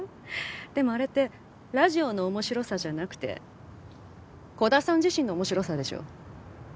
でもあれってラジオの面白さじゃなくて鼓田さん自身の面白さでしょ？